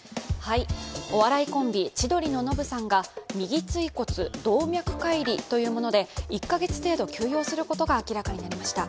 お笑いコンビ、千鳥のノブさんが右椎骨動脈解離というもので１カ月程度、休養することが分かりました。